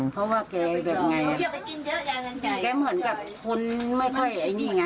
เพราะว่าแกแบบไงแกเหมือนกับคนไม่ค่อยอย่างนี้ไง